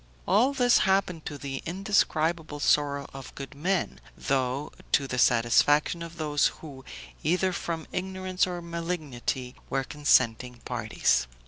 All this happened to the indescribable sorrow of good men, though to the satisfaction of those who, either from ignorance or malignity, were consenting parties.